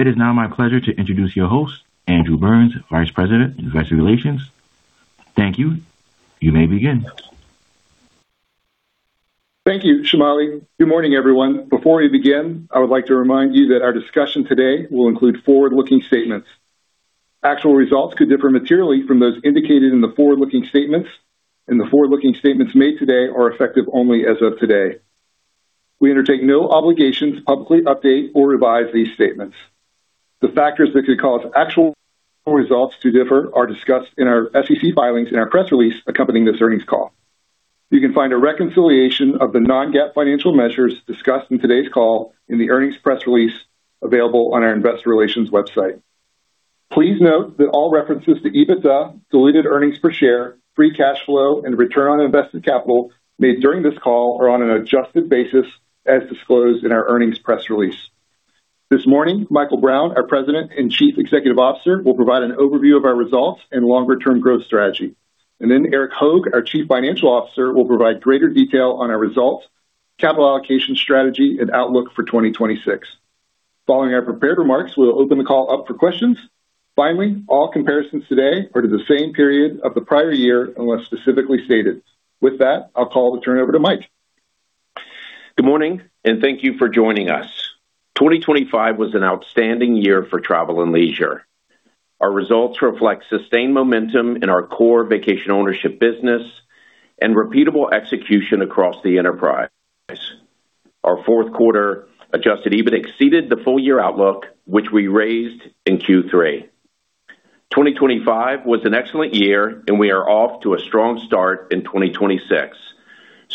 It is now my pleasure to introduce your host, Andrew Burns, Vice President, Investor Relations. Thank you. You may begin. Thank you, Shamali. Good morning, everyone. Before we begin, I would like to remind you that our discussion today will include forward-looking statements. Actual results could differ materially from those indicated in the forward-looking statements, and the forward-looking statements made today are effective only as of today. We undertake no obligations to publicly update or revise these statements. The factors that could cause actual results to differ are discussed in our SEC filings and our press release accompanying this earnings call. You can find a reconciliation of the non-GAAP financial measures discussed in today's call in the earnings press release available on our investor relations website. Please note that all references to EBITDA, diluted earnings per share, free cash flow, and return on invested capital made during this call are on an adjusted basis, as disclosed in our earnings press release. This morning, Michael Brown, our President and Chief Executive Officer, will provide an overview of our results and longer-term growth strategy. Then Erik Hoag, our Chief Financial Officer, will provide greater detail on our results, capital allocation strategy, and outlook for 2026. Following our prepared remarks, we'll open the call up for questions. Finally, all comparisons today are to the same period of the prior year, unless specifically stated. With that, I'll call to turn it over to Mike. Good morning, and thank you for joining us. 2025 was an outstanding year for Travel + Leisure. Our results reflect sustained momentum in our core Vacation Ownership business and repeatable execution across the enterprise. Our fourth quarter adjusted EBITDA exceeded the full year outlook, which we raised in Q3. 2025 was an excellent year, and we are off to a strong start in 2026.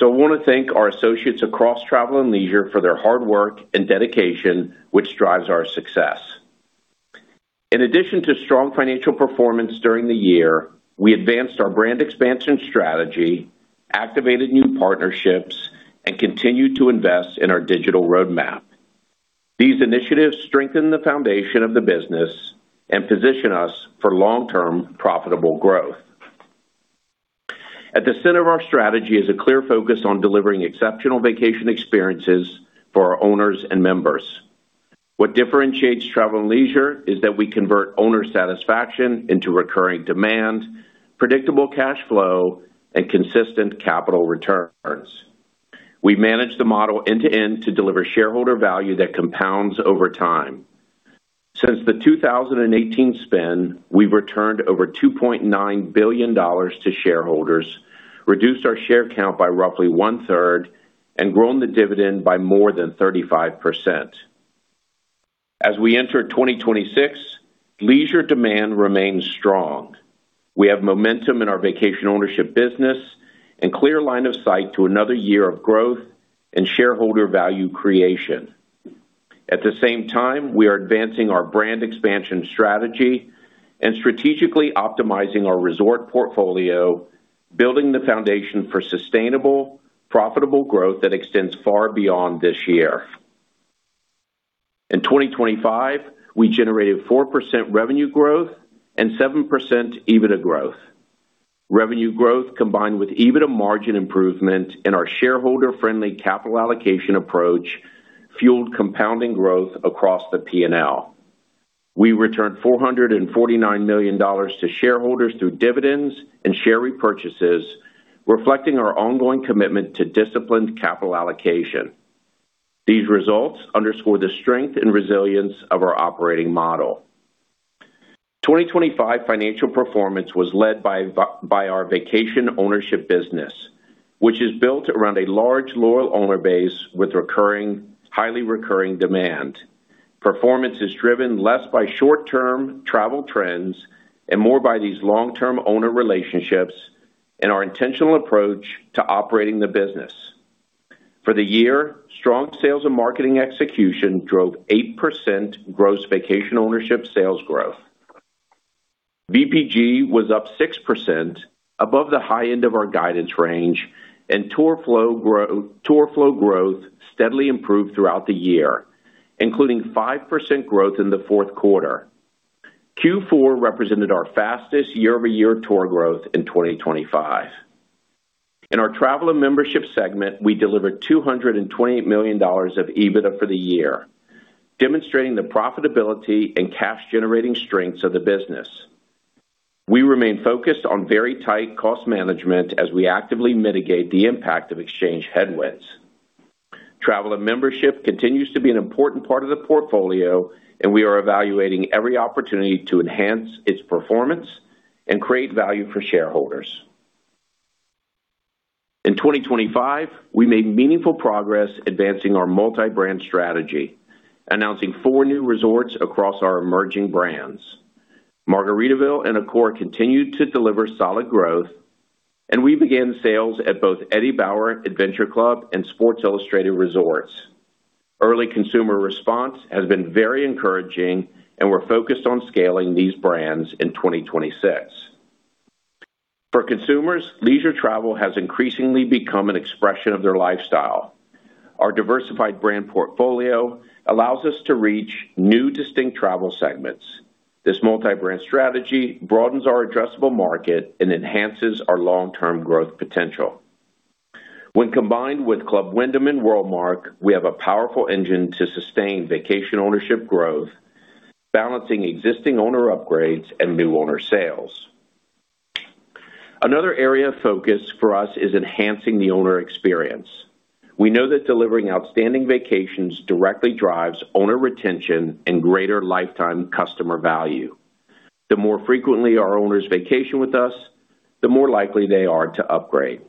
I want to thank our associates across Travel + Leisure for their hard work and dedication, which drives our success. In addition to strong financial performance during the year, we advanced our brand expansion strategy, activated new partnerships, and continued to invest in our digital roadmap. These initiatives strengthen the foundation of the business and position us for long-term profitable growth. At the center of our strategy is a clear focus on delivering exceptional vacation experiences for our owners and members. What differentiates Travel + Leisure is that we convert owner satisfaction into recurring demand, predictable cash flow, and consistent capital returns. We manage the model end-to-end to deliver shareholder value that compounds over time. Since the 2018 spin, we've returned over $2.9 billion to shareholders, reduced our share count by roughly one-third, and grown the dividend by more than 35%. As we enter 2026, leisure demand remains strong. We have momentum in our Vacation Ownership business and clear line of sight to another year of growth and shareholder value creation. At the same time, we are advancing our brand expansion strategy and strategically optimizing our resort portfolio, building the foundation for sustainable, profitable growth that extends far beyond this year. In 2025, we generated 4% revenue growth and 7% EBITDA growth. Revenue growth, combined with EBITDA margin improvement and our shareholder-friendly capital allocation approach, fueled compounding growth across the P&L. We returned $449 million to shareholders through dividends and share repurchases, reflecting our ongoing commitment to disciplined capital allocation. These results underscore the strength and resilience of our operating model. 2025 financial performance was led by our Vacation Ownership business, which is built around a large, loyal owner base with recurring, highly recurring demand. Performance is driven less by short-term travel trends and more by these long-term owner relationships and our intentional approach to operating the business. For the year, strong sales and marketing execution drove 8% gross Vacation Ownership sales growth. VPG was up 6% above the high end of our guidance range, and tour flow growth steadily improved throughout the year, including 5% growth in the fourth quarter. Q4 represented our fastest year-over-year tour growth in 2025. In our Travel and Membership segment, we delivered $228 million of EBITDA for the year, demonstrating the profitability and cash-generating strengths of the business. We remain focused on very tight cost management as we actively mitigate the impact of exchange headwinds. Travel and Membership continues to be an important part of the portfolio, and we are evaluating every opportunity to enhance its performance and create value for shareholders. In 2025, we made meaningful progress advancing our multi-brand strategy, announcing 4 new resorts across our emerging brands. Margaritaville and Accor continued to deliver solid growth, and we began sales at both Eddie Bauer Adventure Club and Sports Illustrated Resorts. Early consumer response has been very encouraging, and we're focused on scaling these brands in 2026. For consumers, leisure travel has increasingly become an expression of their lifestyle. Our diversified brand portfolio allows us to reach new distinct travel segments. This multi-brand strategy broadens our addressable market and enhances our long-term growth potential.... When combined with Club Wyndham and WorldMark, we have a powerful engine to sustain Vacation Ownership growth, balancing existing owner upgrades and new owner sales. Another area of focus for us is enhancing the owner experience. We know that delivering outstanding vacations directly drives owner retention and greater lifetime customer value. The more frequently our owners vacation with us, the more likely they are to upgrade.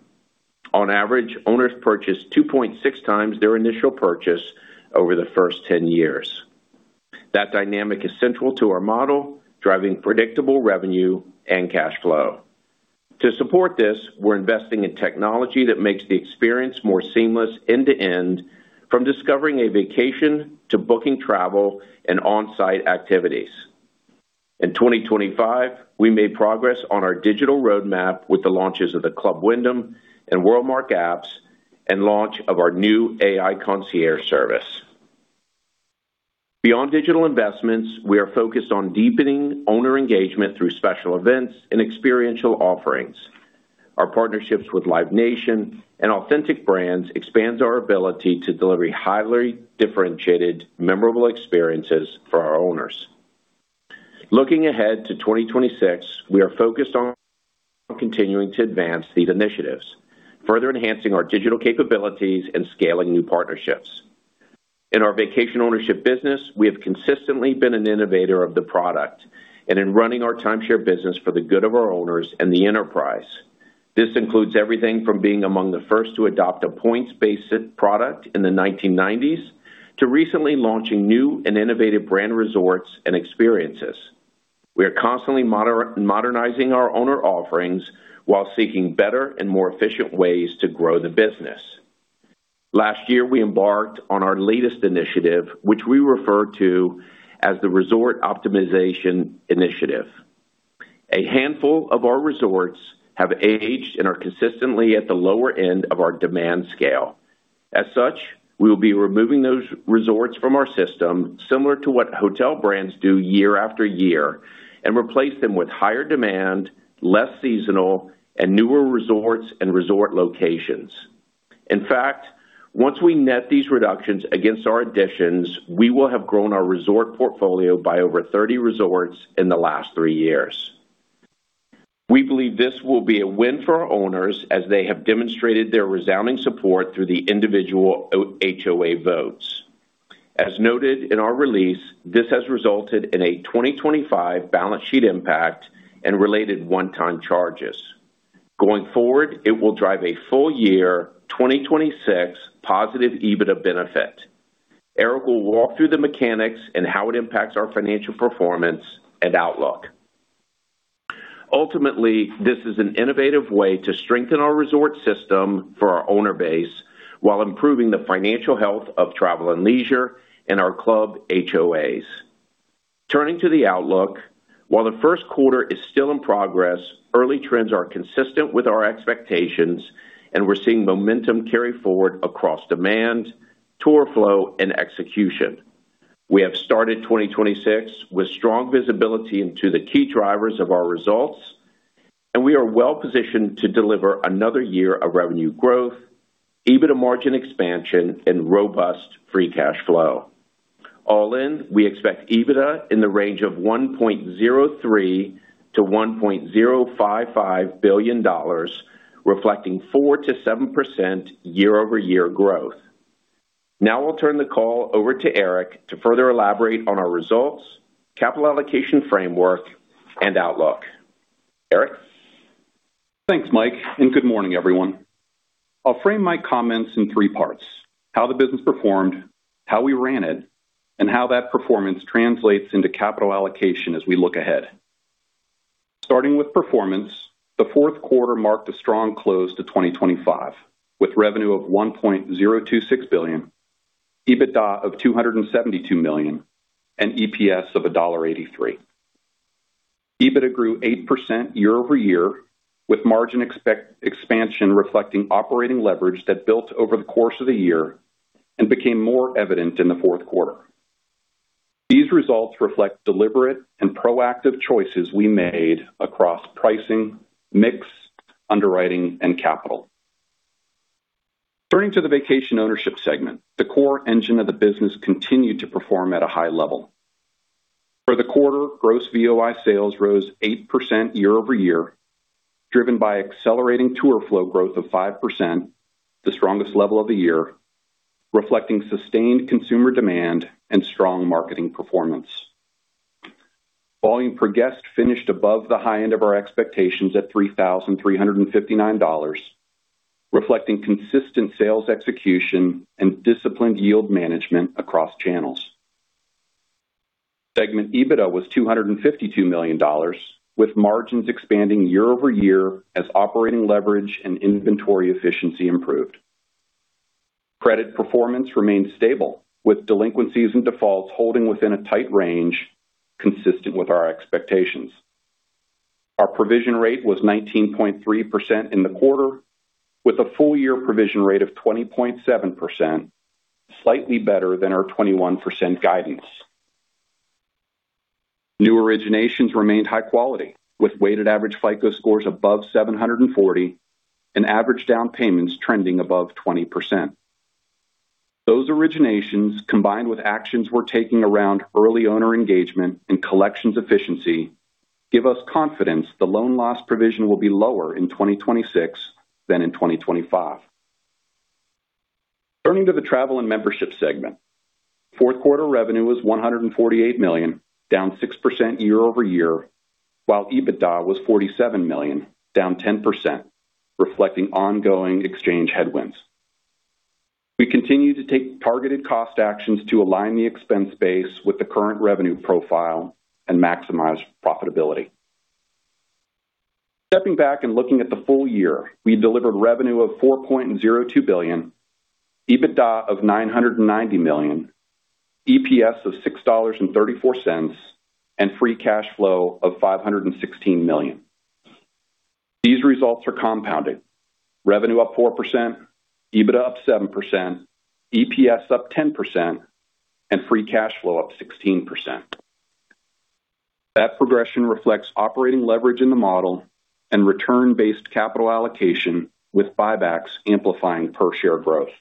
On average, owners purchase 2.6 times their initial purchase over the first 10 years. That dynamic is central to our model, driving predictable revenue and cash flow. To support this, we're investing in technology that makes the experience more seamless end-to-end, from discovering a vacation to booking travel and on-site activities. In 2025, we made progress on our digital roadmap with the launches of the Club Wyndham and WorldMark apps, and launch of our new AI concierge service. Beyond digital investments, we are focused on deepening owner engagement through special events and experiential offerings. Our partnerships with Live Nation and Authentic Brands expands our ability to deliver highly differentiated, memorable experiences for our owners. Looking ahead to 2026, we are focused on continuing to advance these initiatives, further enhancing our digital capabilities and scaling new partnerships. In our Vacation Ownership business, we have consistently been an innovator of the product, and in running our timeshare business for the good of our owners and the enterprise. This includes everything from being among the first to adopt a points-based product in the 1990s, to recently launching new and innovative brand resorts and experiences. We are constantly modernizing our owner offerings while seeking better and more efficient ways to grow the business. Last year, we embarked on our latest initiative, which we refer to as the Resort Optimization Initiative. A handful of our resorts have aged and are consistently at the lower end of our demand scale. As such, we will be removing those resorts from our system, similar to what hotel brands do year after year, and replace them with higher demand, less seasonal, and newer resorts and resort locations. In fact, once we net these reductions against our additions, we will have grown our resort portfolio by over 30 resorts in the last three years. We believe this will be a win for our owners, as they have demonstrated their resounding support through the individual HOA votes. As noted in our release, this has resulted in a 2025 balance sheet impact and related one-time charges. Going forward, it will drive a full year 2026 positive EBITDA benefit. Erik will walk through the mechanics and how it impacts our financial performance and outlook. Ultimately, this is an innovative way to strengthen our resort system for our owner base, while improving the financial health of Travel + Leisure and our club HOAs. Turning to the outlook, while the first quarter is still in progress, early trends are consistent with our expectations, and we're seeing momentum carry forward across demand, tour flow, and execution. We have started 2026 with strong visibility into the key drivers of our results, and we are well positioned to deliver another year of revenue growth, EBITDA margin expansion, and robust free cash flow. All in, we expect EBITDA in the range of $1.03 billion-$1.055 billion, reflecting 4%-7% year-over-year growth. Now I'll turn the call over to Erik to further elaborate on our results, capital allocation framework, and outlook. Erik? Thanks, Mike, and good morning, everyone. I'll frame my comments in three parts: how the business performed, how we ran it, and how that performance translates into capital allocation as we look ahead. Starting with performance, the fourth quarter marked a strong close to 2025, with revenue of $1.026 billion, EBITDA of $272 million, and EPS of $1.83. EBITDA grew 8% year-over-year, with margin expansion reflecting operating leverage that built over the course of the year and became more evident in the fourth quarter. These results reflect deliberate and proactive choices we made across pricing, mix, underwriting, and capital. Turning to the Vacation Ownership segment, the core engine of the business continued to perform at a high level. For the quarter, gross VOI sales rose 8% year over year, driven by accelerating tour flow growth of 5%, the strongest level of the year, reflecting sustained consumer demand and strong marketing performance. Volume per guest finished above the high end of our expectations at $3,359, reflecting consistent sales execution and disciplined yield management across channels. Segment EBITDA was $252 million, with margins expanding year over year as operating leverage and inventory efficiency improved. Credit performance remained stable, with delinquencies and defaults holding within a tight range, consistent with our expectations. Our provision rate was 19.3% in the quarter, with a full year provision rate of 20.7%, slightly better than our 21% guidance.... New originations remained high quality, with weighted average FICO scores above 740 and average down payments trending above 20%. Those originations, combined with actions we're taking around early owner engagement and collections efficiency, give us confidence the loan loss provision will be lower in 2026 than in 2025. Turning to the Travel and Membership segment. Fourth quarter revenue was $148 million, down 6% year-over-year, while EBITDA was $47 million, down 10%, reflecting ongoing exchange headwinds. We continue to take targeted cost actions to align the expense base with the current revenue profile and maximize profitability. Stepping back and looking at the full year, we delivered revenue of $4.02 billion, EBITDA of $990 million, EPS of $6.34, and free cash flow of $516 million. These results are compounded: revenue up 4%, EBITDA up 7%, EPS up 10%, and free cash flow up 16%. That progression reflects operating leverage in the model and return-based capital allocation, with buybacks amplifying per share growth.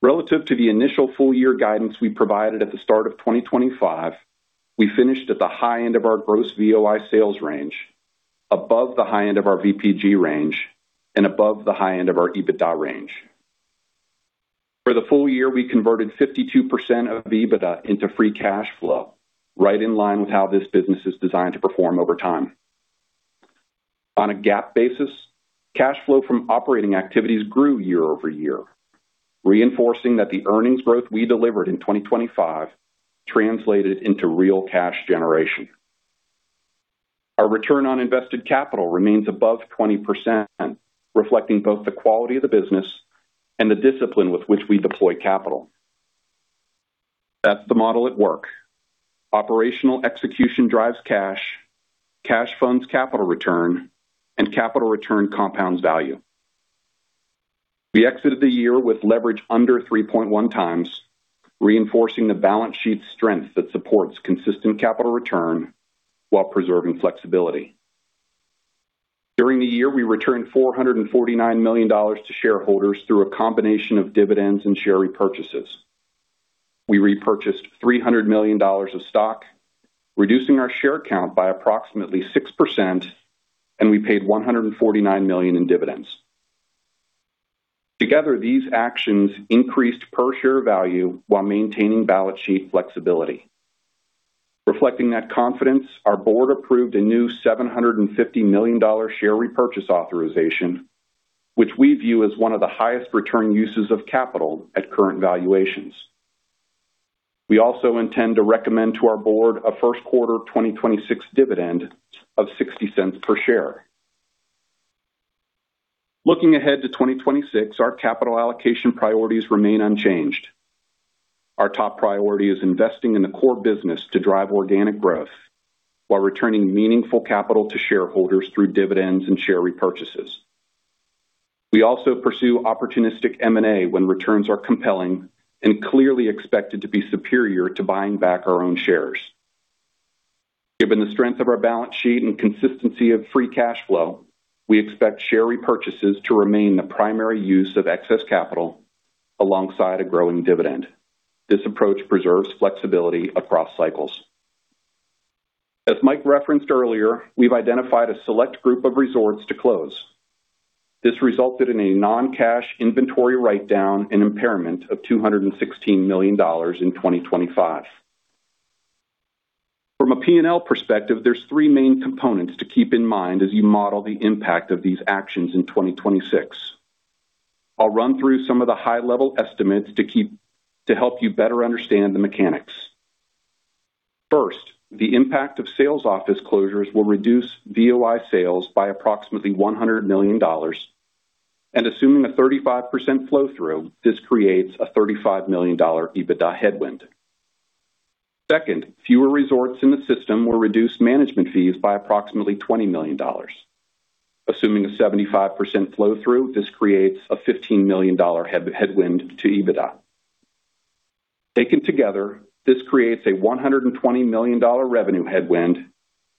Relative to the initial full year guidance we provided at the start of 2025, we finished at the high end of our gross VOI sales range, above the high end of our VPG range, and above the high end of our EBITDA range. For the full-year, we converted 52% of EBITDA into free cash flow, right in line with how this business is designed to perform over time. On a GAAP basis, cash flow from operating activities grew year over year, reinforcing that the earnings growth we delivered in 2025 translated into real cash generation. Our return on invested capital remains above 20%, reflecting both the quality of the business and the discipline with which we deploy capital. That's the model at work. Operational execution drives cash, cash funds capital return, and capital return compounds value. We exited the year with leverage under 3.1 times, reinforcing the balance sheet's strength that supports consistent capital return while preserving flexibility. During the year, we returned $449 million to shareholders through a combination of dividends and share repurchases. We repurchased $300 million of stock, reducing our share count by approximately 6%, and we paid $149 million in dividends. Together, these actions increased per share value while maintaining balance sheet flexibility. Reflecting that confidence, our board approved a new $750 million share repurchase authorization, which we view as one of the highest return uses of capital at current valuations. We also intend to recommend to our board a first quarter 2026 dividend of $0.60 per share. Looking ahead to 2026, our capital allocation priorities remain unchanged. Our top priority is investing in the core business to drive organic growth while returning meaningful capital to shareholders through dividends and share repurchases. We also pursue opportunistic M&A when returns are compelling and clearly expected to be superior to buying back our own shares. Given the strength of our balance sheet and consistency of free cash flow, we expect share repurchases to remain the primary use of excess capital alongside a growing dividend. This approach preserves flexibility across cycles. As Mike referenced earlier, we've identified a select group of resorts to close. This resulted in a non-cash inventory write-down and impairment of $216 million in 2025. From a P&L perspective, there's three main components to keep in mind as you model the impact of these actions in 2026. I'll run through some of the high-level estimates to help you better understand the mechanics. First, the impact of sales office closures will reduce VOI sales by approximately $100 million, and assuming a 35% flow through, this creates a $35 million EBITDA headwind. Second, fewer resorts in the system will reduce management fees by approximately $20 million. Assuming a 75% flow through, this creates a $15 million headwind to EBITDA. Taken together, this creates a $120 million revenue headwind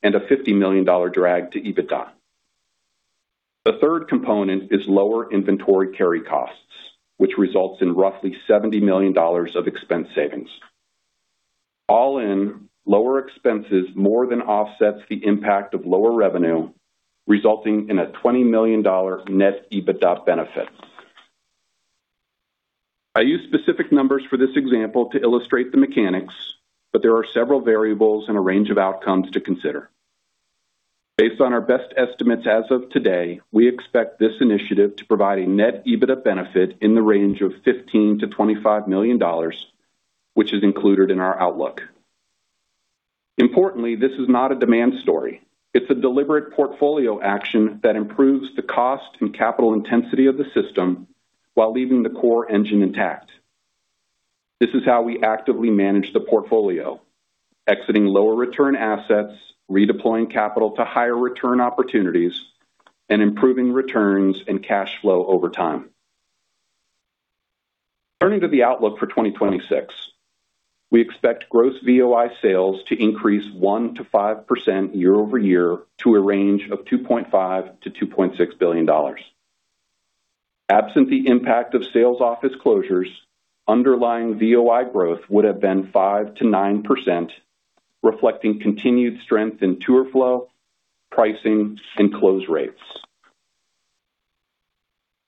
and a $50 million drag to EBITDA. The third component is lower inventory carry costs, which results in roughly $70 million of expense savings. All in, lower expenses more than offsets the impact of lower revenue, resulting in a $20 million net EBITDA benefit. I use specific numbers for this example to illustrate the mechanics, but there are several variables and a range of outcomes to consider. Based on our best estimates as of today, we expect this initiative to provide a net EBITDA benefit in the range of $15 million-$25 million, which is included in our outlook. Importantly, this is not a demand story. It's a deliberate portfolio action that improves the cost and capital intensity of the system while leaving the core engine intact. This is how we actively manage the portfolio: exiting lower return assets, redeploying capital to higher return opportunities, and improving returns and cash flow over time. .Turning to the outlook for 2026. We expect gross VOI sales to increase 1%-5% year-over-year to a range of $2.5 billion-$2.6 billion. Absent the impact of sales office closures, underlying VOI growth would have been 5%-9%, reflecting continued strength in tour flow, pricing, and close rates.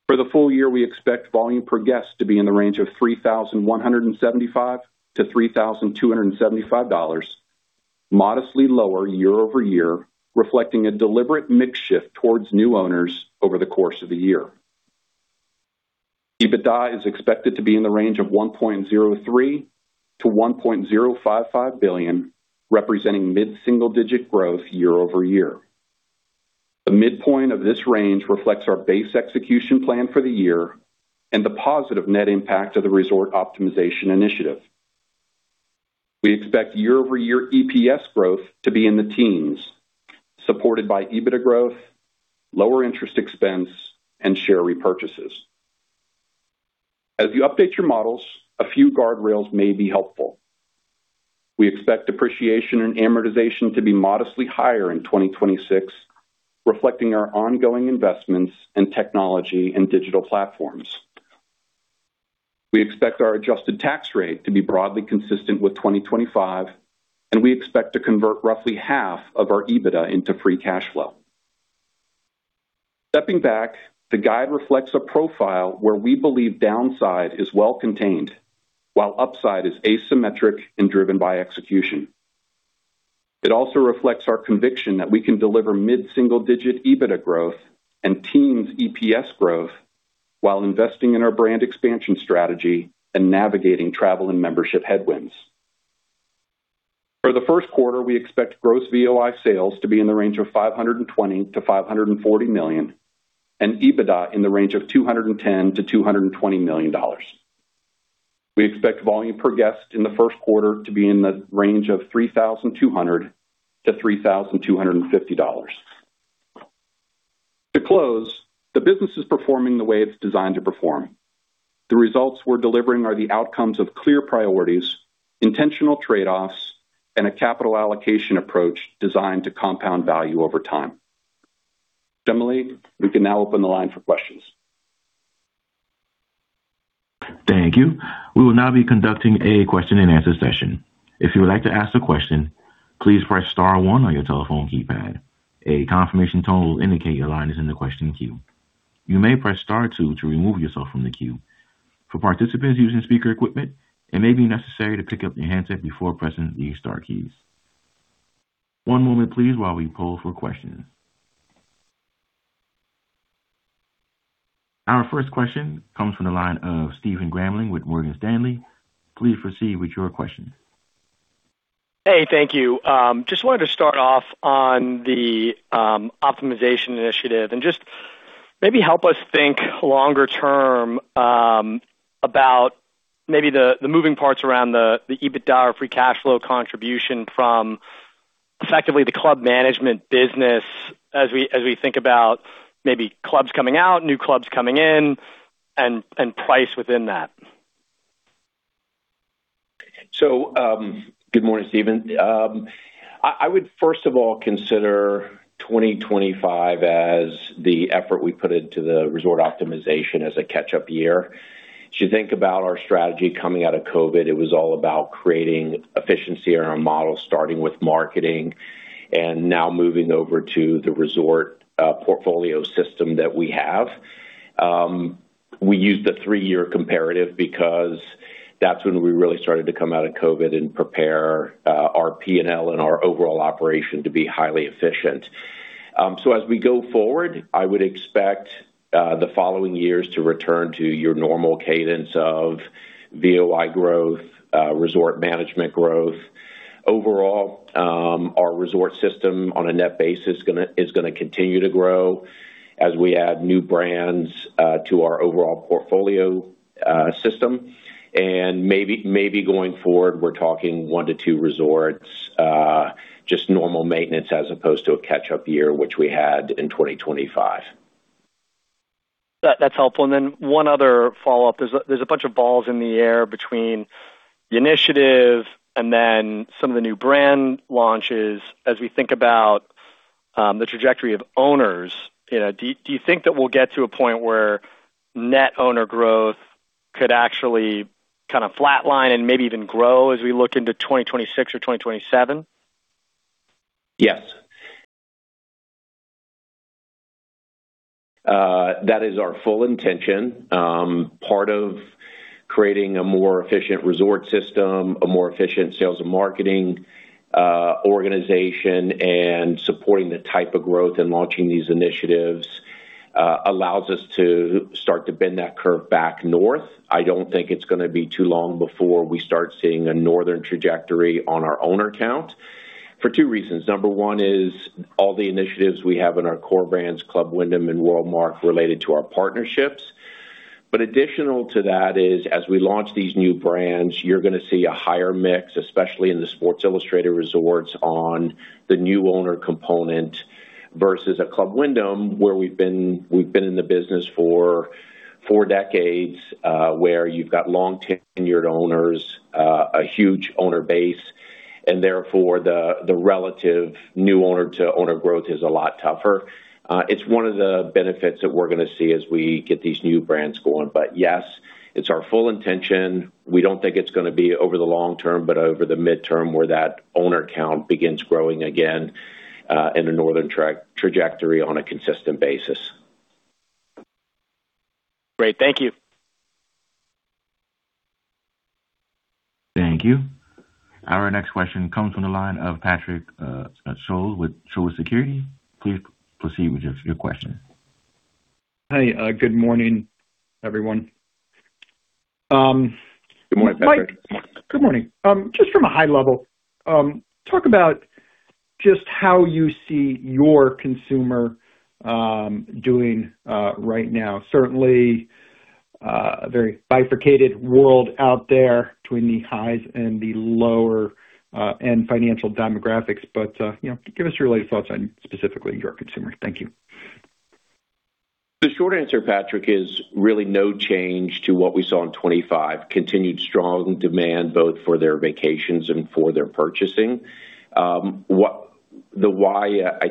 For the full year, we expect volume per guest to be in the range of $3,175-$3,275, modestly lower year-over-year, reflecting a deliberate mix shift towards new owners over the course of the year. EBITDA is expected to be in the range of $1.03 billion-$1.055 billion, representing mid-single-digit growth year-over-year. The midpoint of this range reflects our base execution plan for the year and the positive net impact of the Resort Optimization Initiative. We expect year-over-year EPS growth to be in the teens, supported by EBITDA growth, lower interest expense, and share repurchases. As you update your models, a few guardrails may be helpful. We expect depreciation and amortization to be modestly higher in 2026, reflecting our ongoing investments in technology and digital platforms. We expect our adjusted tax rate to be broadly consistent with 2025, and we expect to convert roughly half of our EBITDA into free cash flow. Stepping back, the guide reflects a profile where we believe downside is well contained, while upside is asymmetric and driven by execution. It also reflects our conviction that we can deliver mid-single-digit EBITDA growth and teens EPS growth while investing in our brand expansion strategy and navigating Travel and Membership headwinds. For the first quarter, we expect gross VOI sales to be in the range of $520 million-$540 million, and EBITDA in the range of $210 million-$220 million. We expect volume per guest in the first quarter to be in the range of $3,200-$3,250. To close, the business is performing the way it's designed to perform. The results we're delivering are the outcomes of clear priorities, intentional trade-offs, and a capital allocation approach designed to compound value over time. Emily, we can now open the line for questions. Thank you. We will now be conducting a question-and-answer session. If you would like to ask a question, please press star one on your telephone keypad. A confirmation tone will indicate your line is in the question queue. You may press star two to remove yourself from the queue. For participants using speaker equipment, it may be necessary to pick up your handset before pressing the star keys. One moment, please, while we poll for questions. Our first question comes from the line of Stephen Grambling with Morgan Stanley. Please proceed with your question. Hey, thank you. Just wanted to start off on the optimization initiative and just maybe help us think longer term about maybe the moving parts around the EBITDA or free cash flow contribution from effectively the club management business as we think about maybe clubs coming out, new clubs coming in, and price within that. Good morning, Stephen. I would first of all consider 2025 as the effort we put into the resort optimization as a catch-up year. As you think about our strategy coming out of COVID, it was all about creating efficiency in our model, starting with marketing and now moving over to the resort portfolio system that we have. We used the three-year comparative because that's when we really started to come out of COVID and prepare our P&L and our overall operation to be highly efficient. So as we go forward, I would expect the following years to return to your normal cadence of VOI growth, resort management growth. Overall, our resort system on a net basis is gonna continue to grow as we add new brands to our overall portfolio system. Maybe, maybe going forward, we're talking 1-2 resorts, just normal maintenance as opposed to a catch-up year, which we had in 2025. That's helpful. And then one other follow-up. There's a bunch of balls in the air between the initiative and then some of the new brand launches. As we think about the trajectory of owners, you know, do you think that we'll get to a point where net owner growth could actually kind of flatline and maybe even grow as we look into 2026 or 2027? Yes. That is our full intention. Part of creating a more efficient resort system, a more efficient sales and marketing organization, and supporting the type of growth and launching these initiatives allows us to start to bend that curve back north. I don't think it's gonna be too long before we start seeing a northern trajectory on our owner count for two reasons. Number one is all the initiatives we have in our core brands, Club Wyndham and WorldMark, related to our partnerships. But additional to that is, as we launch these new brands, you're gonna see a higher mix, especially in the Sports Illustrated Resorts, on the new owner component versus a Club Wyndham, where we've been, we've been in the business for four decades, where you've got long-tenured owners, a huge owner base, and therefore, the, the relative new owner to owner growth is a lot tougher. It's one of the benefits that we're gonna see as we get these new brands going. But yes, it's our full intention. We don't think it's gonna be over the long term, but over the midterm, where that owner count begins growing again, in a northern trajectory on a consistent basis. Great, thank you. Thank you. Our next question comes from the line of Patrick Scholes with Truist Securities. Please proceed with your question. Hey, good morning, everyone. Good morning, Patrick. Mike, good morning. Just from a high level, talk about just how you see your consumer doing right now. Certainly, a very bifurcated world out there between the highs and the lower end financial demographics. But you know, give us your latest thoughts on specifically your consumer. Thank you. The short answer, Patrick, is really no change to what we saw in 2025. Continued strong demand, both for their vacations and for their purchasing. I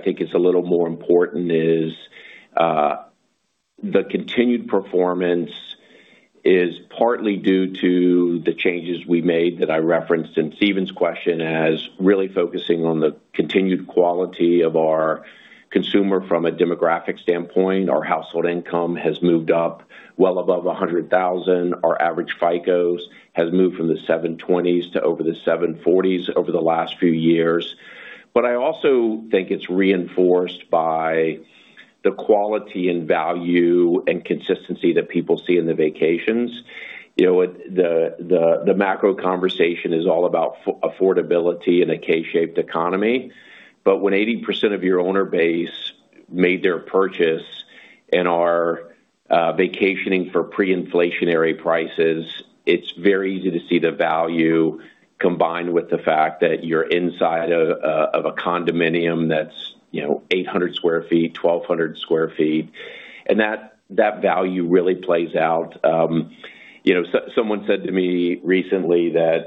think, is a little more important, the continued performance is partly due to the changes we made that I referenced in Stephen's question as really focusing on the continued quality of our consumer from a demographic standpoint. Our household income has moved up well above $100,000. Our average FICOs has moved from the 720s to over the 740s over the last few years. But I also think it's reinforced by the quality and value and consistency that people see in the vacations. You know, what the macro conversation is all about affordability and a K-shaped economy. But when 80% of your owner base made their purchase and are vacationing for pre-inflationary prices, it's very easy to see the value, combined with the fact that you're inside of a condominium that's, you know, 800 sq ft, 1,200 sq ft, and that value really plays out. You know, someone said to me recently that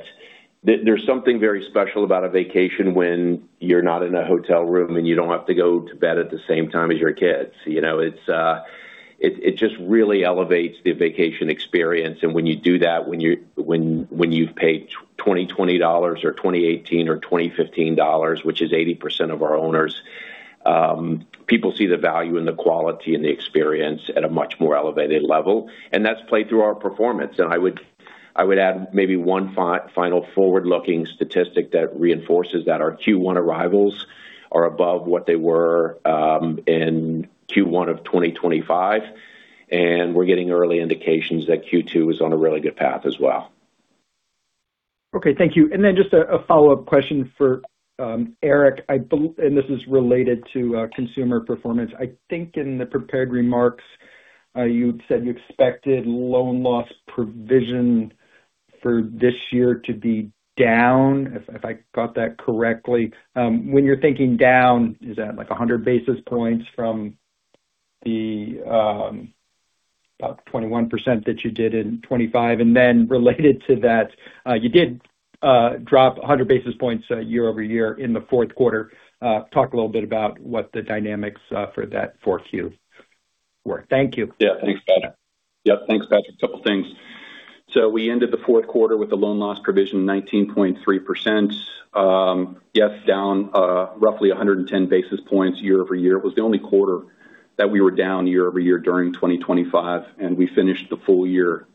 there's something very special about a vacation when you're not in a hotel room, and you don't have to go to bed at the same time as your kids. You know, it just really elevates the vacation experience. When you do that, when you've paid $20,$20 or $20, $18 or $20, $15, which is 80% of our owners, people see the value and the quality and the experience at a much more elevated level, and that's played through our performance. I would add maybe one final forward-looking statistic that reinforces that our Q1 arrivals are above what they were in Q1 of 2025, and we're getting early indications that Q2 is on a really good path as well. Okay, thank you. Then just a follow-up question for Erik. This is related to consumer performance. I think in the prepared remarks, you said you expected loan loss provision for this year to be down, if I got that correctly. When you're thinking down, is that, like, 100 basis points from the about 21% that you did in 2025? And then related to that, you did drop 100 basis points year-over-year in the fourth quarter. Talk a little bit about what the dynamics for that Q4 were. Thank you. Yeah, thanks, Patrick. Yep, thanks, Patrick. A couple things. So we ended the fourth quarter with a loan loss provision of 19.3%. Yes, down roughly 110 basis points year-over-year. It was the only quarter that we were down year-over-year during 2025, and we finished the full year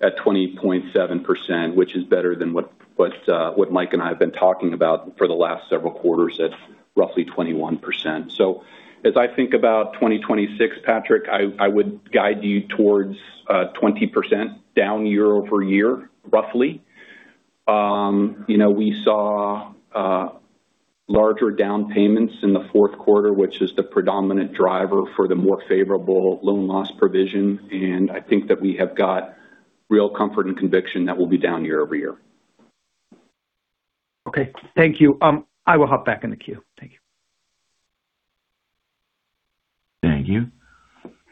at 20.7%, which is better than what Mike and I have been talking about for the last several quarters at roughly 21%. So as I think about 2026, Patrick, I would guide you towards 20% down year-over-year, roughly. You know, we saw larger down payments in the fourth quarter, which is the predominant driver for the more favorable loan loss provision, and I think that we have got real comfort and conviction that we'll be down year over year. Okay, thank you. I will hop back in the queue. Thank you. Thank you.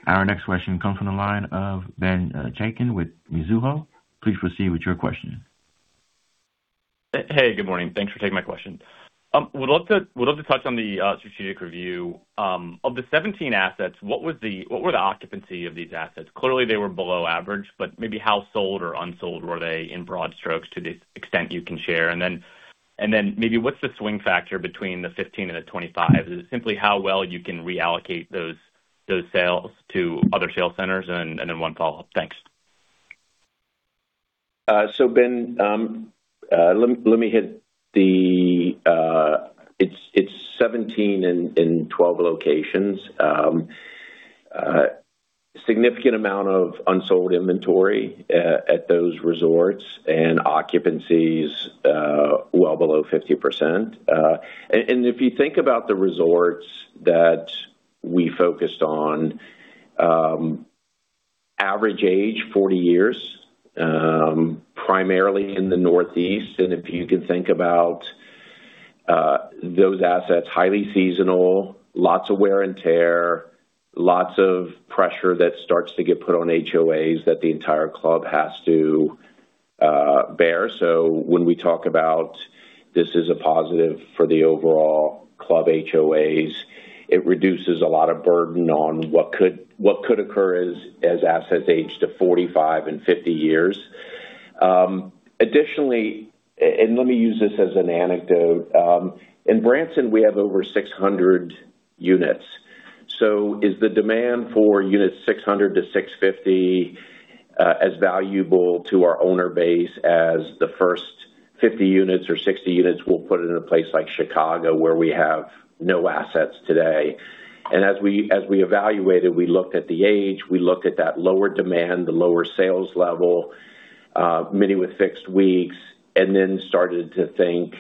Our next question comes from the line of Ben Chaiken with Mizuho. Please proceed with your question. Hey, good morning. Thanks for taking my question. Would love to, would love to touch on the strategic review. Of the 17 assets, what was the—what were the occupancy of these assets? Clearly, they were below average, but maybe how sold or unsold were they in broad strokes, to the extent you can share? And then, and then maybe what's the swing factor between the 15 and the 25? Is it simply how well you can reallocate those, those sales to other sales centers? Then one follow-up. Thanks. So Ben, let me hit the... It's 17 in 12 locations. Significant amount of unsold inventory at those resorts and occupancies well below 50%. And if you think about the resorts that we focused on, average age 40 years, primarily in the Northeast. If you can think about those assets, highly seasonal, lots of wear and tear, lots of pressure that starts to get put on HOAs that the entire club has to bear. So when we talk about this is a positive for the overall club HOAs, it reduces a lot of burden on what could occur as assets age to 45 and 50 years. Additionally, let me use this as an anecdote. In Branson, we have over 600 units. Is the demand for units 600 to 650 as valuable to our owner base as the first 50 units or 60 units we'll put in a place like Chicago, where we have no assets today? As we evaluated, we looked at the age, we looked at that lower demand, the lower sales level, many with fixed weeks, and then started to think,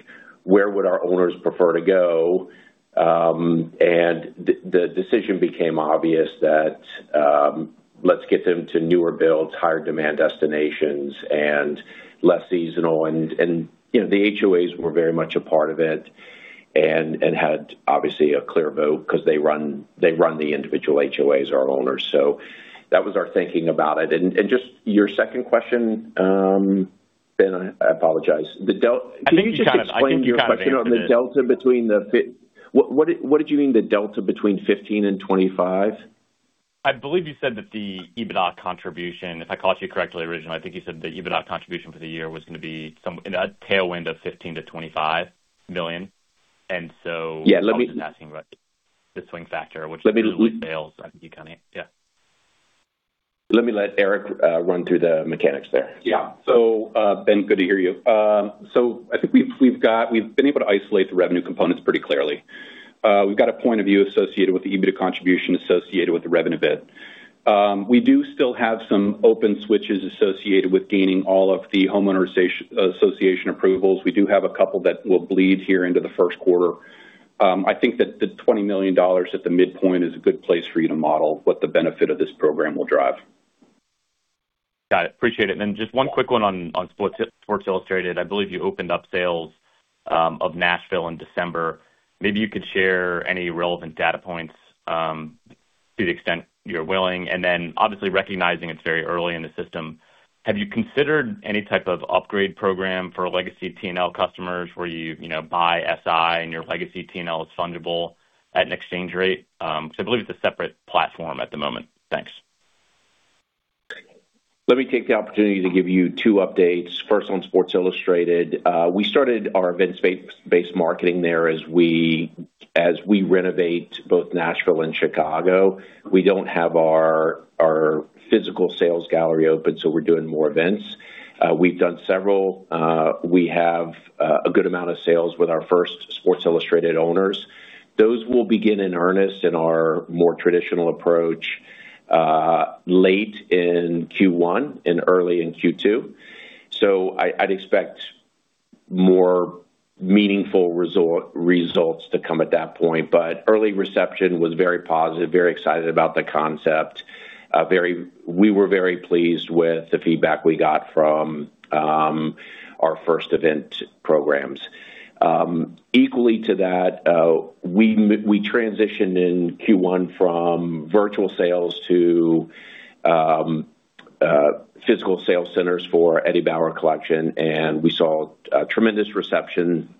where would our owners prefer to go? The decision became obvious that, let's get them to newer builds, higher demand destinations and less seasonal, and, you know, the HOAs were very much a part of it and had obviously a clear vote because they run the individual HOAs, our owners. That was our thinking about it. Just your second question, Ben, I apologize. I think you kind of- Could you just explain your question on the delta between the fi- what, what did, what did you mean the delta between 15 and 25? I believe you said that the EBITDA contribution, if I caught you correctly originally, I think you said the EBITDA contribution for the year was going to be a tailwind of $15 million-$25 million. And so- Yeah. I'm just asking about the swing factor, which is sales. I think you kind of, yeah. Let me let Erik run through the mechanics there. Yeah. So, Ben, good to hear you. So I think we've got—we've been able to isolate the revenue components pretty clearly. We've got a point of view associated with the EBITDA contribution associated with the revenue bid. We do still have some open switches associated with gaining all of the homeowner association approvals. We do have a couple that will bleed here into the first quarter. I think that the $20 million at the midpoint is a good place for you to model what the benefit of this program will drive. Got it. Appreciate it. And then just one quick one on Sports Illustrated. I believe you opened up sales of Nashville in December. Maybe you could share any relevant data points, to the extent you're willing, and then obviously recognizing it's very early in the system, have you considered any type of upgrade program for legacy TNL customers where you, you know, buy SI and your legacy TNL is fundable at an exchange rate? So I believe it's a separate platform at the moment. Thanks. Let me take the opportunity to give you two updates. First, on Sports Illustrated. We started our events-based marketing there as we renovate both Nashville and Chicago. We don't have our physical sales gallery open, so we're doing more events. We've done several. We have a good amount of sales with our first Sports Illustrated owners. Those will begin in earnest in our more traditional approach, late in Q1 and early in Q2. So I'd expect more meaningful results to come at that point. But early reception was very positive, very excited about the concept. We were very pleased with the feedback we got from our first event programs. Equally to that, we transitioned in Q1 from virtual sales to physical sales centers for Eddie Bauer Collection, and we saw a tremendous reception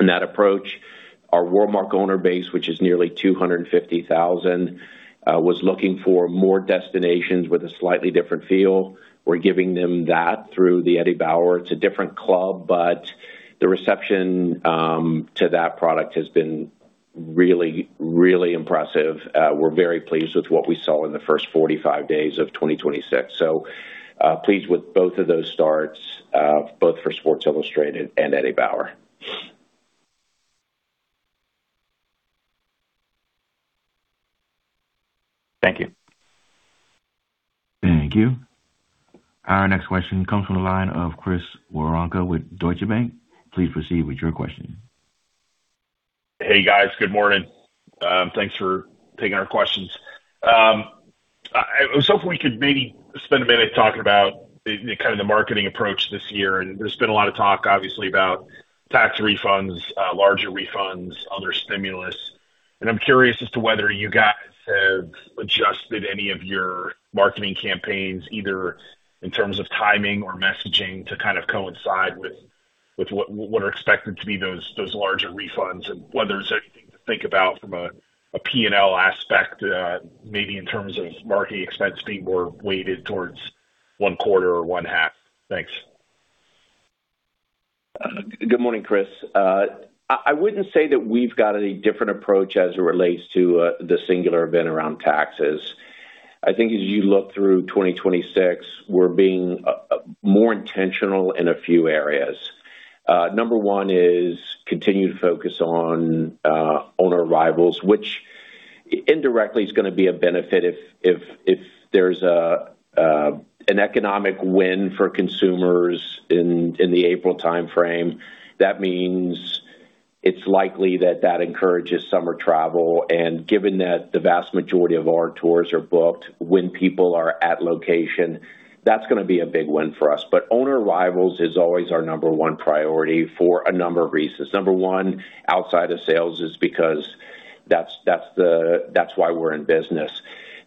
in that approach. Our WorldMark owner base, which is nearly 250,000, was looking for more destinations with a slightly different feel. We're giving them that through the Eddie Bauer. It's a different club, but the reception to that product has been really, really impressive. We're very pleased with what we saw in the first 45 days of 2026. So, pleased with both of those starts, both for Sports Illustrated and Eddie Bauer. Thank you. Thank you. Our next question comes from the line of Chris Woronka with Deutsche Bank. Please proceed with your question. Hey, guys, good morning. Thanks for taking our questions. I, I was hoping we could maybe spend a minute talking about the, the kind of the marketing approach this year. And there's been a lot of talk, obviously, about tax refunds, larger refunds, other stimulus. And I'm curious as to whether you guys have adjusted any of your marketing campaigns, either in terms of timing or messaging, to kind of coincide, with what, what are expected to be those, those larger refunds, and whether there's anything to think about from a P&L aspect, maybe in terms of marketing expense being more weighted towards one quarter or one half. Thanks. Good morning, Chris. I wouldn't say that we've got any different approach as it relates to the singular event around taxes. I think as you look through 2026, we're being more intentional in a few areas. Number one is continuing to focus on owner arrivals, which indirectly is gonna be a benefit if there's an economic win for consumers in the April timeframe. That means it's likely that that encourages summer travel, and given that the vast majority of our tours are booked when people are at location, that's gonna be a big win for us. But owner arrivals is always our number one priority for a number of reasons. Number one, outside of sales, is because that's why we're in business.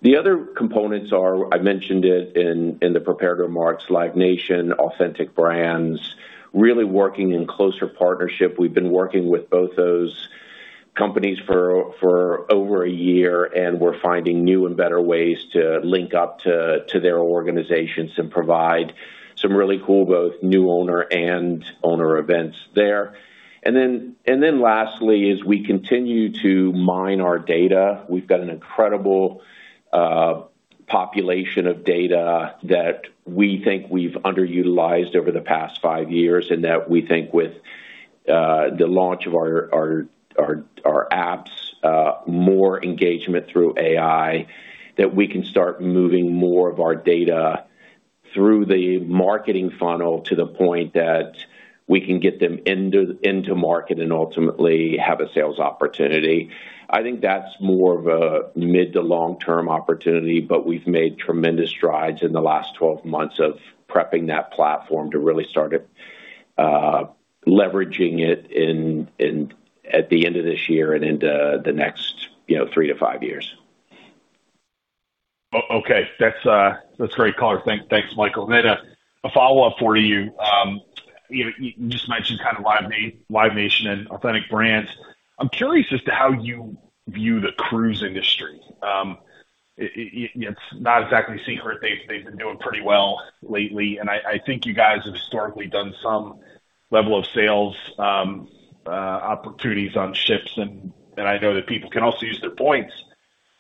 The other components are. I mentioned it in the prepared remarks: Live Nation, Authentic Brands, really working in closer partnership. We've been working with both those companies for over a year, and we're finding new and better ways to link up to their organizations and provide some really cool both new owner and owner events there. Then lastly, as we continue to mine our data, we've got an incredible population of data that we think we've underutilized over the past five years, and that we think with the launch of our apps, more engagement through AI, that we can start moving more of our data through the marketing funnel to the point that we can get them into market and ultimately have a sales opportunity. I think that's more of a mid- to long-term opportunity, but we've made tremendous strides in the last 12 months of prepping that platform to really start leveraging it at the end of this year and into the next, you know, 3-5 years. Okay, that's great, caller. Thanks, Michael. And then, a follow-up for you. You just mentioned kind of Live Nation and Authentic Brands. I'm curious as to how you view the cruise industry. It's not exactly secret. They've been doing pretty well lately, and I think you guys have historically done some level of sales opportunities on ships, and I know that people can also use their points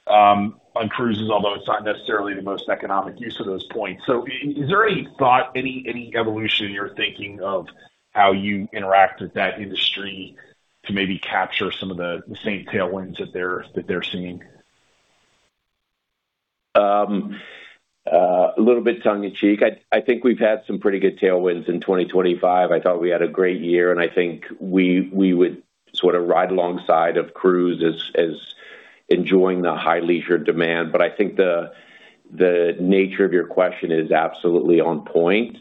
on cruises, although it's not necessarily the most economic use of those points. So is there any thought, any evolution you're thinking of how you interact with that industry to maybe capture some of the same tailwinds that they're seeing? A little bit tongue in cheek. I think we've had some pretty good tailwinds in 2025. I thought we had a great year, and I think we would sort of ride alongside of cruise as enjoying the high leisure demand. But I think the nature of your question is absolutely on point.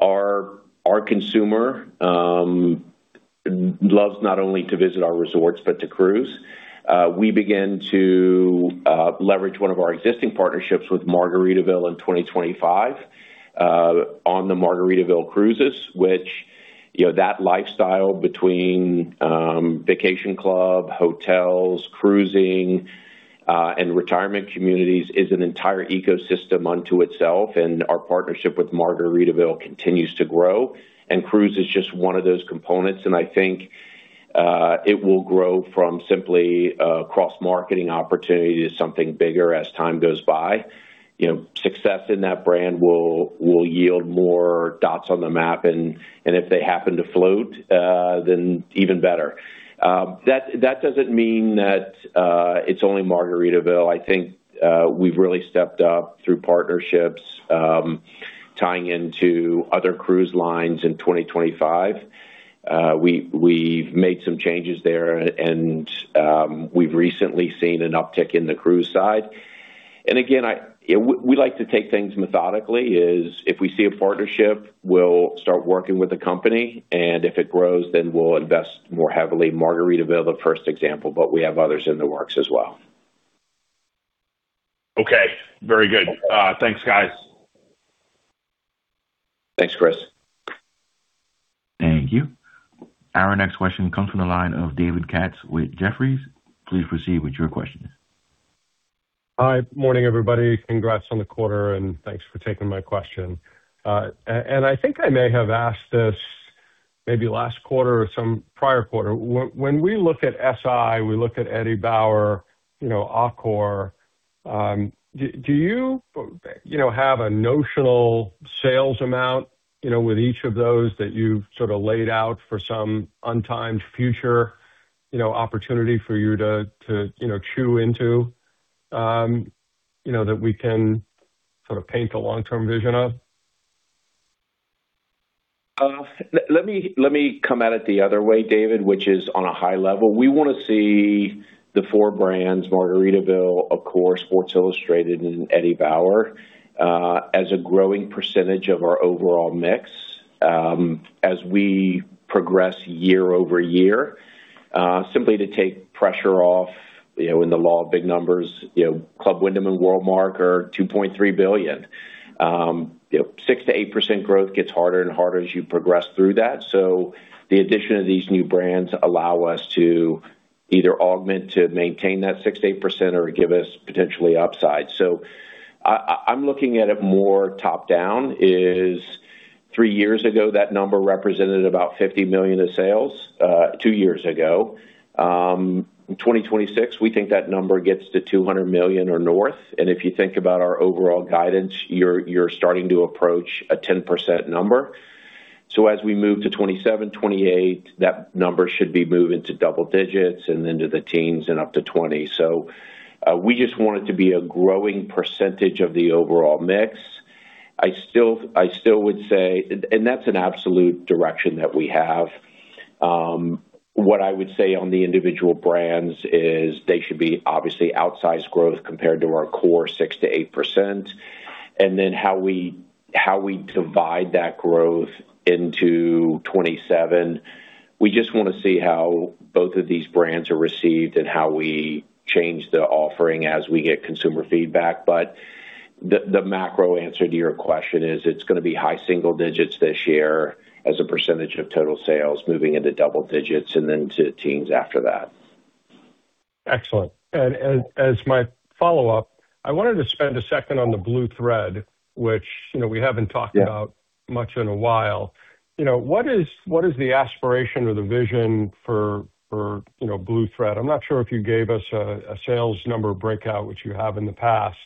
Our consumer loves not only to visit our resorts, but to cruise. We began to leverage one of our existing partnerships with Margaritaville in 2025, on the Margaritaville cruises, which, you know, that lifestyle between vacation club, hotels, cruising, and retirement communities is an entire ecosystem unto itself, and our partnership with Margaritaville continues to grow, and cruise is just one of those components. I think it will grow from simply a cross-marketing opportunity to something bigger as time goes by. You know, success in that brand will, will yield more dots on the map, and, and if they happen to float, then even better. That doesn't mean that it's only Margaritaville. I think we've really stepped up through partnerships, tying into other cruise lines in 2025. We, we've made some changes there, and, we've recently seen an uptick in the cruise side. And again, I-- we, we like to take things methodically, is if we see a partnership, we'll start working with the company, and if it grows, then we'll invest more heavily. Margaritaville, the first example, but we have others in the works as well. Okay, very good. Thanks, guys. Thanks, Chris. Thank you. Our next question comes from the line of David Katz with Jefferies. Please proceed with your question. Hi. Morning, everybody. Congrats on the quarter, and thanks for taking my question. And I think I may have asked this maybe last quarter or some prior quarter. When we look at SI, we look at Eddie Bauer, you know, Accor, do you, you know, have a notional sales amount, you know, with each of those that you've sort of laid out for some untimed future, you know, opportunity for you to, to, you know, chew into, you know, that we can sort of paint the long-term vision of? Let me, let me come at it the other way, David, which is on a high level. We wanna see the four brands, Margaritaville, Accor, Sports Illustrated, and Eddie Bauer, as a growing percentage of our overall mix, as we progress year over year, simply to take pressure off, you know, in the law of big numbers. You know, Club Wyndham and WorldMark are $2.3 billion. You know, 6%-8% growth gets harder and harder as you progress through that. The addition of these new brands allow us to either augment to maintain that 6%-8% or give us potentially upside. I, I'm looking at it more top-down, is three years ago, that number represented about $50 million in sales, two years ago. In 2026, we think that number gets to $200 million or north, and if you think about our overall guidance, you're, you're starting to approach a 10% number. So as we move to 2027, 2028, that number should be moving to double digits and then to the teens and up to 20. So, we just want it to be a growing percentage of the overall mix. I still, I still would say, and, and that's an absolute direction that we have. What I would say on the individual brands is they should be obviously outsized growth compared to our core 6%-8%. And then how we, how we divide that growth into 2027, we just want to see how both of these brands are received and how we change the offering as we get consumer feedback. But the macro answer to your question is, it's going to be high single digits this year as a percentage of total sales, moving into double digits and then to teens after that. Excellent. As my follow-up, I wanted to spend a second on the Blue Thread, which, you know, we haven't talked about much in a while. You know, what is, what is the aspiration or the vision for, for, you know, Blue Thread? I'm not sure if you gave us a, a sales number breakout, which you have in the past.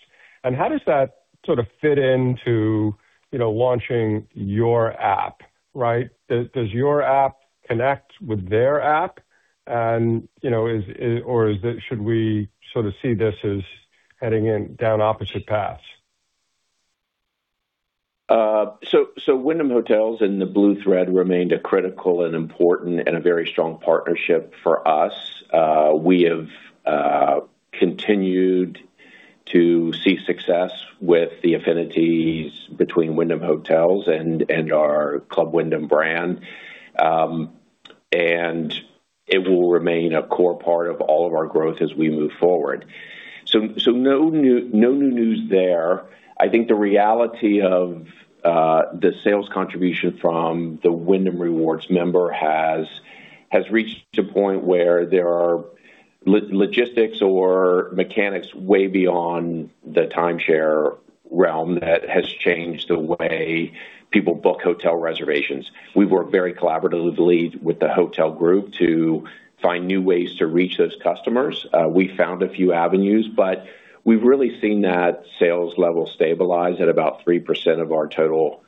And how does that sort of fit into, you know, launching your app, right? Does, does your app connect with their app? And, you know, is, is or is it, should we sort of see this as heading in down opposite paths? So, Wyndham Hotels and the Blue Thread remained a critical and important and a very strong partnership for us. We have continued to see success with the affinities between Wyndham Hotels and our Club Wyndham brand. It will remain a core part of all of our growth as we move forward. So, no new news there. I think the reality of the sales contribution from the Wyndham Rewards member has reached a point where there are logistics or mechanics way beyond the timeshare realm that has changed the way people book hotel reservations. We've worked very collaboratively with the hotel group to find new ways to reach those customers. We found a few avenues, but we've really seen that sales level stabilize at about 3% of our total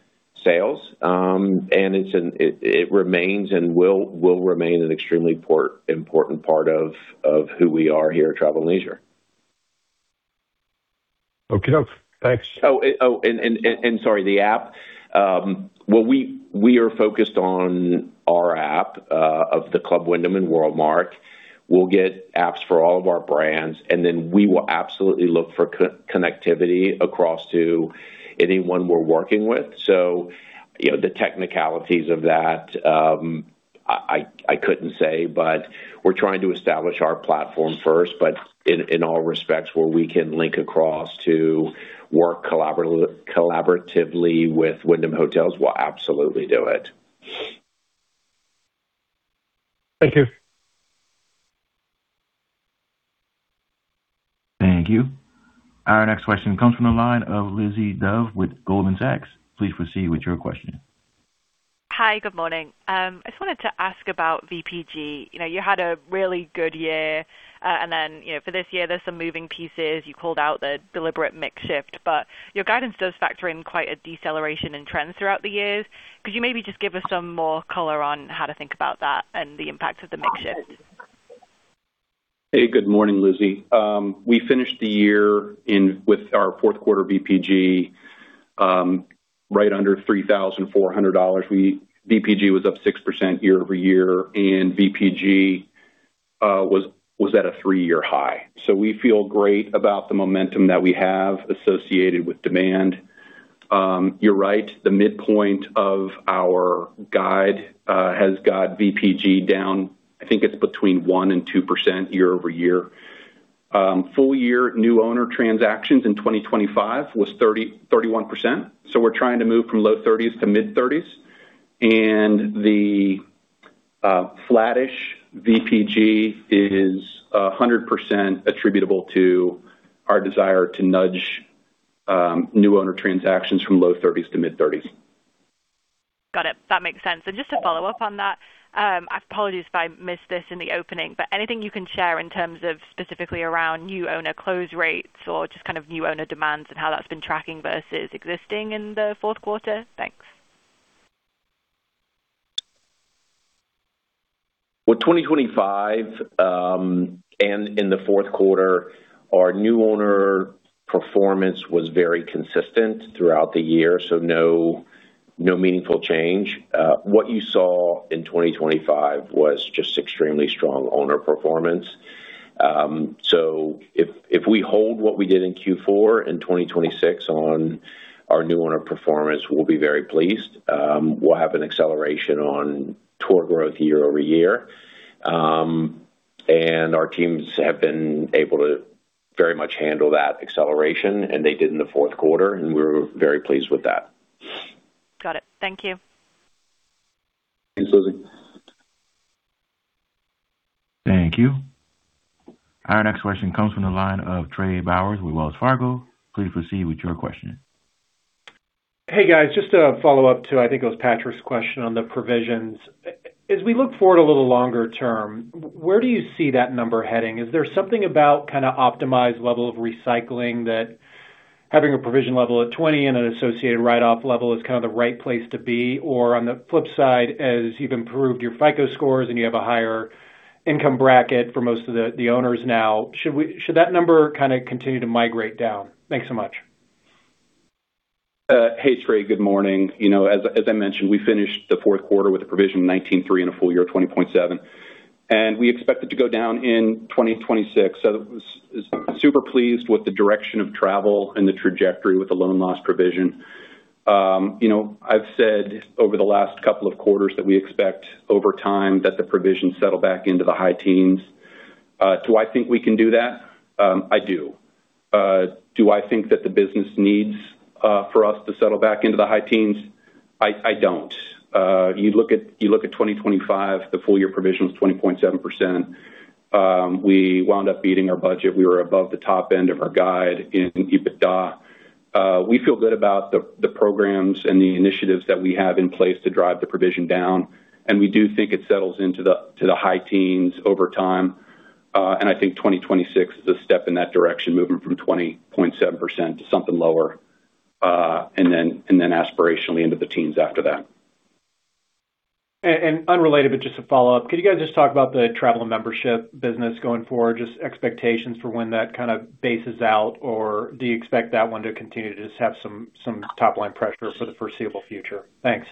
sales. It remains and will remain an extremely important part of who we are here at Travel + Leisure. Okie doke. Thanks. Sorry, the app. Well, we are focused on our app of the Club Wyndham and WorldMark. We'll get apps for all of our brands, and then we will absolutely look for co-connectivity across to anyone we're working with. So, you know, the technicalities of that, I couldn't say, but we're trying to establish our platform first. But in all respects, where we can link across to work collaboratively with Wyndham Hotels, we'll absolutely do it. Thank you. Thank you. Our next question comes from the line of Lizzie Dove with Goldman Sachs. Please proceed with your question. Hi, good morning. I just wanted to ask about VPG. You know, you had a really good year, and then, you know, for this year, there's some moving pieces. You called out the deliberate mix shift, but your guidance does factor in quite a deceleration in trends throughout the years. Could you maybe just give us some more color on how to think about that and the impact of the mix shift? Hey, good morning, Lizzie. We finished the year with our fourth quarter VPG right under $3,400. VPG was up 6% year-over-year, and VPG was at a three-year high. So we feel great about the momentum that we have associated with demand. You're right, the midpoint of our guide has got VPG down, I think it's between 1% and 2% year-over-year. Full year new owner transactions in 2025 was 31%, so we're trying to move from low thirties to mid-thirties. The flattish VPG is 100% attributable to our desire to nudge new owner transactions from low thirties to mid-thirties. Got it. That makes sense. Just to follow up on that, I apologize if I missed this in the opening, but anything you can share in terms of specifically around new owner close rates or just kind of new owner demands and how that's been tracking versus existing in the fourth quarter? Thanks. Well, 2025, and in the fourth quarter, our new owner performance was very consistent throughout the year, so no, no meaningful change. What you saw in 2025 was just extremely strong owner performance. So if, if we hold what we did in Q4 in 2026 on our new owner performance, we'll be very pleased. We'll have an acceleration on tour growth year over year. Our teams have been able to very much handle that acceleration, and they did in the fourth quarter, and we're very pleased with that. Got it. Thank you. Thanks, Lizzie. Thank you. Our next question comes from the line of Trey Bowers with Wells Fargo. Please proceed with your question. Hey, guys, just to follow up to, I think it was Patrick's question on the provisions. As we look forward a little longer term, where do you see that number heading? Is there something about kind of optimized level of recycling, that having a provision level at 20 and an associated write-off level is kind of the right place to be? Or on the flip side, as you've improved your FICO scores and you have a higher,... income bracket for most of the owners now. Should that number kind of continue to migrate down? Thanks so much. Hey, Trey, good morning. You know, as I mentioned, we finished the fourth quarter with a provision of 19.3 and a full year, 20.7. And we expect it to go down in 2026. So super pleased with the direction of travel and the trajectory with the loan loss provision. You know, I've said over the last couple of quarters that we expect over time that the provisions settle back into the high teens. Do I think we can do that? I do. Do I think that the business needs for us to settle back into the high teens? I don't. You look at 2025, the full year provision was 20.7%. We wound up beating our budget. We were above the top end of our guide in EBITDA. We feel good about the programs and the initiatives that we have in place to drive the provision down, and we do think it settles into the high teens over time. And I think 2026 is a step in that direction, moving from 20.7% to something lower, and then aspirationally into the teens after that. And unrelated, but just a follow-up. Could you guys just talk about the Travel and Membership business going forward? Just expectations for when that kind of bases out, or do you expect that one to continue to just have some top-line pressure for the foreseeable future? Thanks.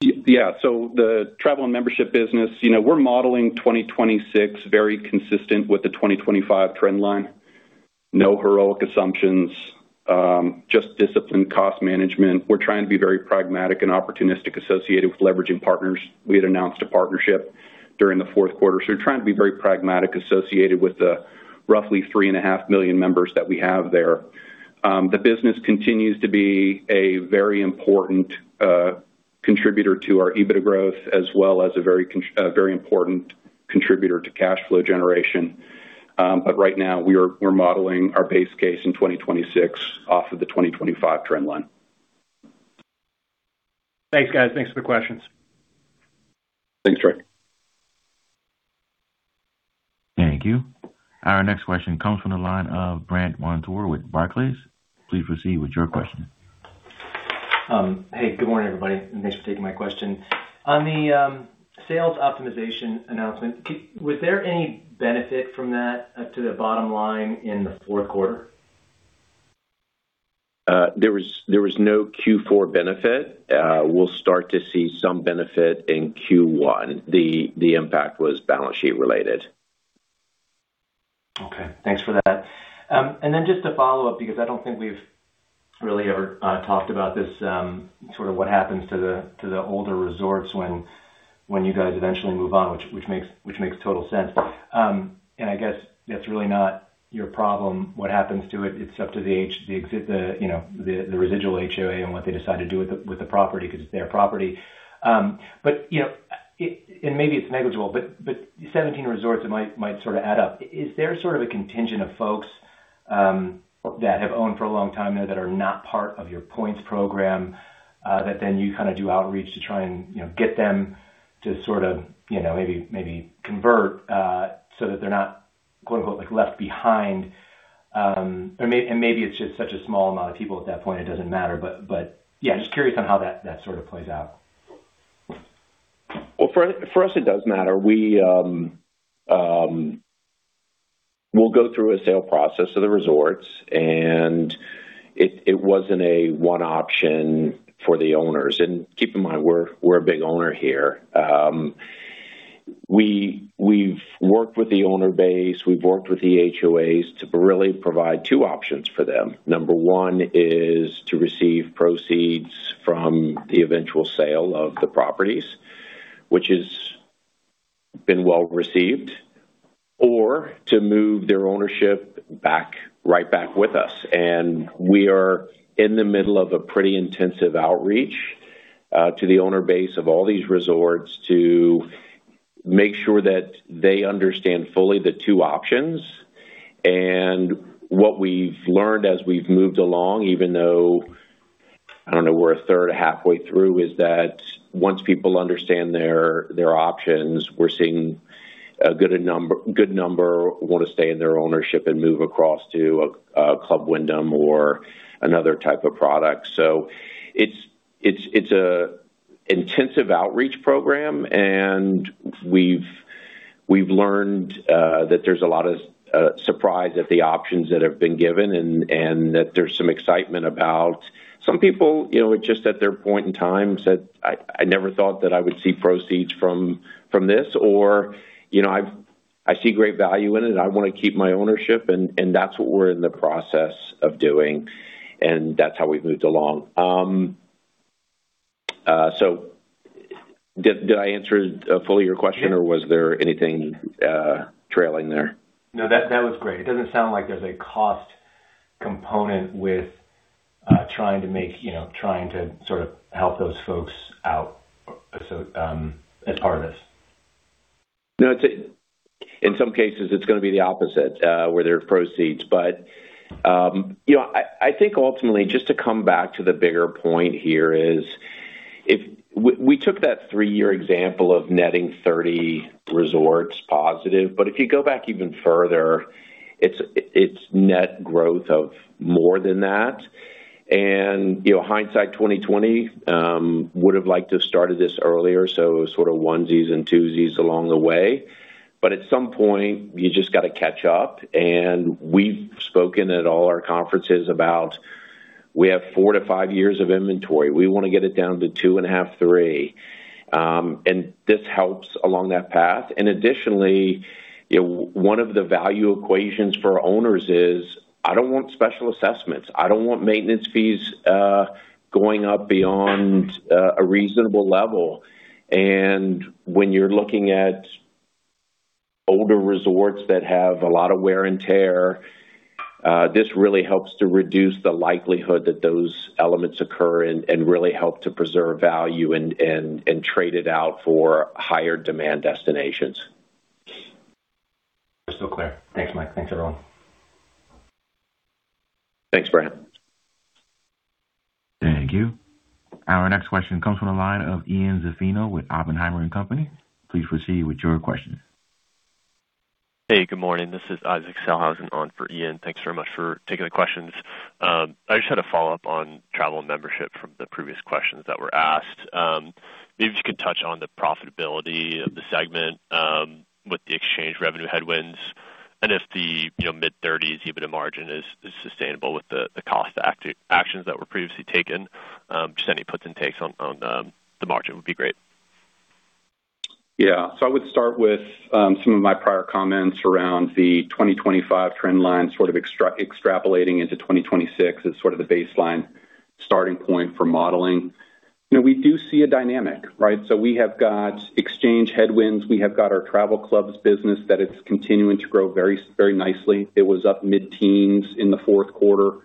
Yeah, so the Travel and Membership business, you know, we're modeling 2026, very consistent with the 2025 trend line. No heroic assumptions, just disciplined cost management. We're trying to be very pragmatic and opportunistic associated with leveraging partners. We had announced a partnership during the fourth quarter, so we're trying to be very pragmatic associated with the roughly 3.5 million members that we have there. The business continues to be a very important contributor to our EBITDA growth, as well as a very important contributor to cash flow generation. But right now, we're modeling our base case in 2026 off of the 2025 trend line. Thanks, guys. Thanks for the questions. Thanks, Trey. Thank you. Our next question comes from the line of Brandt Montour with Barclays. Please proceed with your question. Hey, good morning, everybody, and thanks for taking my question. On the sales optimization announcement, was there any benefit from that to the bottom line in the fourth quarter? There was no Q4 benefit. We'll start to see some benefit in Q1. The impact was balance sheet related. Okay, thanks for that. And then just to follow up, because I don't think we've really ever talked about this, sort of what happens to the older resorts when you guys eventually move on, which makes total sense. And I guess that's really not your problem, what happens to it. It's up to the residual HOA and what they decide to do with the property, because it's their property. Maybe it's negligible, but 17 resorts, it might sort of add up. Is there sort of a contingent of folks that have owned for a long time there that are not part of your points program that then you kind of do outreach to try and, you know, get them to sort of, you know, maybe, maybe convert so that they're not, quote, unquote, "left behind?" And maybe it's just such a small amount of people at that point, it doesn't matter. But yeah, just curious on how that sort of plays out. Well, for us, it does matter. We'll go through a sale process of the resorts, and it wasn't a one option for the owners. Keep in mind, we're a big owner here. We've worked with the owner base, we've worked with the HOAs to really provide two options for them. Number one is to receive proceeds from the eventual sale of the properties, which has been well received, or to move their ownership back, right back with us. And we are in the middle of a pretty intensive outreach to the owner base of all these resorts to make sure that they understand fully the two options. What we've learned as we've moved along, even though, I don't know, we're a third or halfway through, is that once people understand their options, we're seeing a good number want to stay in their ownership and move across to a Club Wyndham or another type of product. It's an intensive outreach program, and we've learned that there's a lot of surprise at the options that have been given, and that there's some excitement about... Some people, you know, are just at their point in time, said, "I never thought that I would see proceeds from this," or, you know, "I see great value in it, and I want to keep my ownership." And that's what we're in the process of doing, and that's how we've moved along. So, did I answer fully your question, or was there anything trailing there? No, that was great. It doesn't sound like there's a cost component with trying to make, you know, trying to sort of help those folks out, so, as part of this. No, it's, in some cases, it's going to be the opposite, where there are proceeds. But, you know, I, I think ultimately, just to come back to the bigger point here is, if we took that three-year example of netting 30 resorts positive, but if you go back even further, it's net growth of more than that. You know, hindsight 20/20, would have liked to have started this earlier, so sort of onesies and twosies along the way. But at some point, you just got to catch up, and we've spoken at all our conferences about we have 4-5 years of inventory. We want to get it down to 2.5-3, and this helps along that path. Additionally, one of the value equations for owners is, I don't want special assessments. I don't want maintenance fees going up beyond a reasonable level. And when you're looking at older resorts that have a lot of wear and tear, this really helps to reduce the likelihood that those elements occur and really help to preserve value and trade it out for higher demand destinations. We're still clear. Thanks, Mike. Thanks, everyone. Thanks, Brandt. Thank you. Our next question comes from the line of Ian Zaffino with Oppenheimer and Company. Please proceed with your question. Hey, good morning. This is Isaac Sellhausen on for Ian. Thanks very much for taking the questions. I just had a follow-up on Travel and Membership from the previous questions that were asked. Maybe if you could touch on the profitability of the segment, with the exchange revenue headwinds, and if the, you know, mid-thirties EBITDA margin is, is sustainable with the, the cost act- actions that were previously taken, just any puts and takes on, on, the margin would be great. Yeah. So I would start with some of my prior comments around the 2025 trend line, sort of extrapolating into 2026 as sort of the baseline starting point for modeling. You know, we do see a dynamic, right? So we have got exchange headwinds. We have got our travel clubs business that it's continuing to grow very, very nicely. It was up mid-teens in the fourth quarter.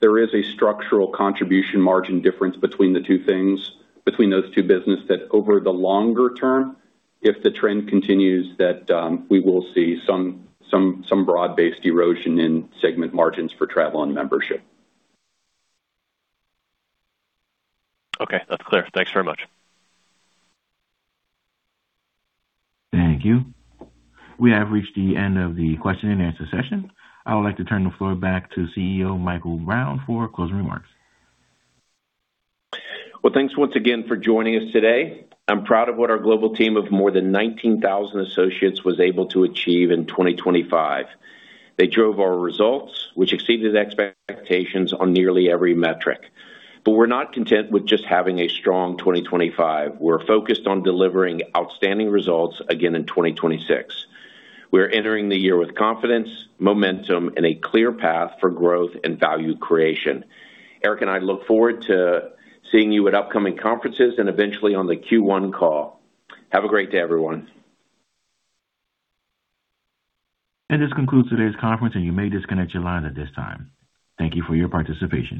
There is a structural contribution margin difference between the two things, between those two business, that over the longer term, if the trend continues, that we will see some, some, some broad-based erosion in segment margins for Travel and Membership. Okay, that's clear. Thanks very much. Thank you. We have reached the end of the question and answer session. I would like to turn the floor back to CEO Michael Brown for closing remarks. Well, thanks once again for joining us today. I'm proud of what our global team of more than 19,000 associates was able to achieve in 2025. They drove our results, which exceeded expectations on nearly every metric. But we're not content with just having a strong 2025. We're focused on delivering outstanding results again in 2026. We're entering the year with confidence, momentum, and a clear path for growth and value creation. Erik and I look forward to seeing you at upcoming conferences and eventually on the Q1 call. Have a great day, everyone. This concludes today's conference, and you may disconnect your line at this time. Thank you for your participation.